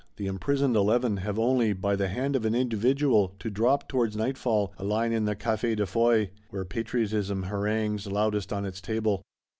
The imprisoned Eleven have only, "by the hand of an individual," to drop, towards nightfall, a line in the Café de Foy; where Patriotism harangues loudest on its table.